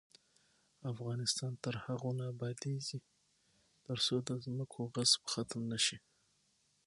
افغانستان تر هغو نه ابادیږي، ترڅو د ځمکو غصب ختم نشي.